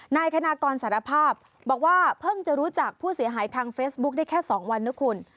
นายคณะกรสารภาพบอกว่าเพิ่งจะรู้จักผู้เสียหายทางเฟซบุ๊คได้แค่๒วันนะคุณ